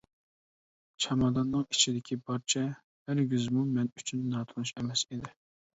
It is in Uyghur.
چاماداننىڭ ئىچىدىكى بارچە ھەرگىزمۇ مەن ئۈچۈن ناتونۇش ئەمەس ئىدى.